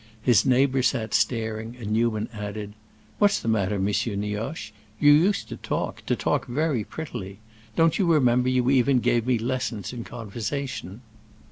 His neighbor sat staring and Newman added, "What's the matter, M. Nioche? You used to talk—to talk very prettily. Don't you remember you even gave lessons in conversation?"